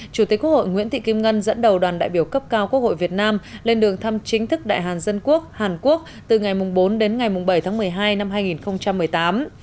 chủ tịch quốc hội nguyễn thị kim ngân dẫn đầu đoàn đại biểu cấp cao quốc hội việt nam lên đường thăm chính thức đại hàn dân quốc hàn quốc từ ngày bốn đến ngày bảy tháng một mươi hai năm hai nghìn một mươi tám